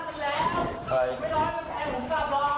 กลับมาอีกข้างหนึ่ง